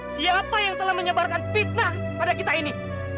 siapa yang telah menyebarkan fitnah pada kita ini